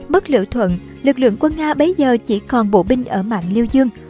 bất lựa thuận lực lượng quân nga bây giờ chỉ còn bộ binh ở mạng liêu dương